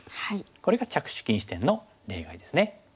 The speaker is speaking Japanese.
これが着手禁止点の例外ですね。